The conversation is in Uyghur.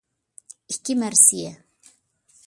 ئىككى مەرسىيە